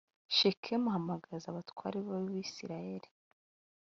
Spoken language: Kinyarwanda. shekemu ahamagaza abatware b’abisirayeli